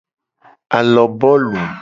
Alobolu.